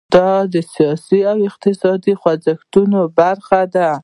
دا د سیاسي او اقتصادي خوځښتونو برخه ده.